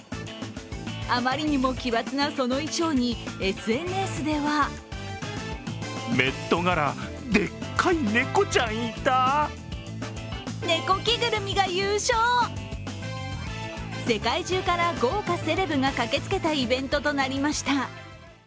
あまりにも奇抜なその衣装にＳＮＳでは世界中から豪華セレブが駆けつけたイベントとなりました。